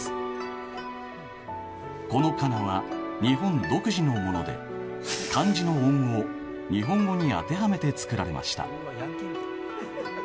この仮名は日本独自のもので漢字の音を日本語に当てはめて作られました。